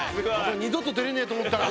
二度と出れねえと思ったら。